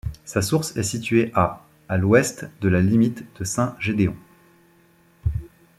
Sa source est située à à l'ouest de la limite de Saint-Gédéon.